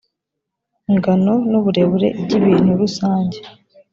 ingano n’uburebure by’ibintu rusange